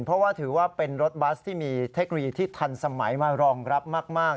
เพราะว่าถือว่าเป็นรถบัสที่มีเทคโนโลยีที่ทันสมัยมารองรับมาก